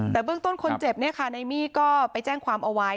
แต่เบื้องต้นคนเจ็บในมี่ก็ไปแจ้งความเอาไว้